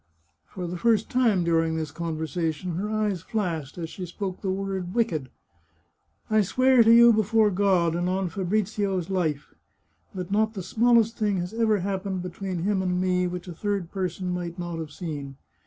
For the first time during this conversation, her eyes flashed as she spoke the word wicked. " I swear to you, before God, and on Fabrizio's life, that not the smallest thing has ever happened between him and me, which a third person might not have seen.